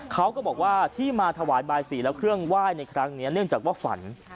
เขาก็บอกว่าที่มาถวายบายสีและเครื่องไหว้ในครั้งนี้เนื่องจากว่าฝัน